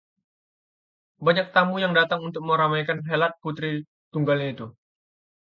banyak tamu yang datang untuk meramaikan helat putri tunggalnya itu